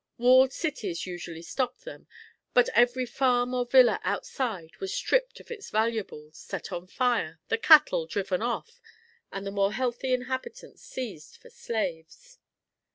Walled cities usually stopped them, but every farm or villa outside was stripped of its valuables, set on fire, the cattle driven off, and the more healthy inhabitants seized for slaves.